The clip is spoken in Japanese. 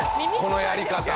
このやり方。